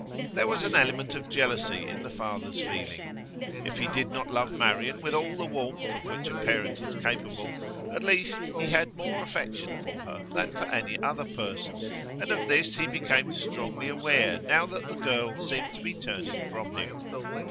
There was an element of jealousy in the father's feeling. If he did not love Marian with all the warmth of which a parent is capable, at least he had more affection for her than for any other person, and of this he became strongly aware now that the girl seemed to be turning from him.